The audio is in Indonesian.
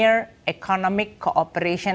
sebuah koordinasi ekonomi premier